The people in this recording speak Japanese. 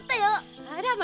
あらま